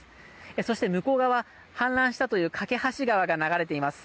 そして向こう側氾濫したという梯川が流れています。